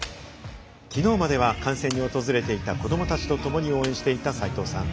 きのうまでは観戦に訪れていた子どもたちとともに応援していた齊藤さん。